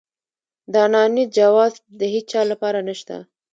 د انانيت جواز د هيچا لپاره نشته.